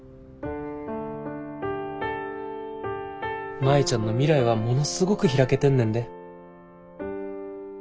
舞ちゃんの未来はものすごく開けてんねんで。